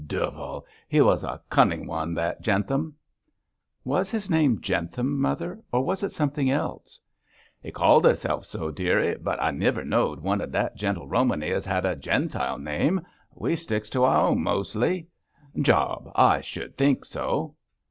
Duvel! he was a cunning one that Jentham.' 'Was his name Jentham, mother; or was it something else?' 'He called hisself so, dearie, but I niver knowed one of that gentle Romany as had a Gentile name. We sticks to our own mos'ly. Job! I shud think so.'